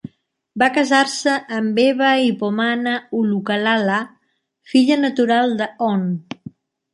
Va casar-se amb Eva-i-pomana Ulukalala, filla natural de Hon.